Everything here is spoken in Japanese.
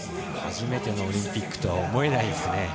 初めてのオリンピックとは思えないですね。